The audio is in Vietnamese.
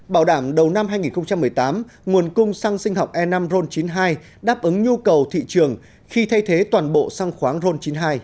bảo đảm đầu năm hai nghìn một mươi tám nguồn cung xăng sinh học e năm ron chín mươi hai đáp ứng nhu cầu thị trường khi thay thế toàn bộ xăng khoáng ron chín mươi hai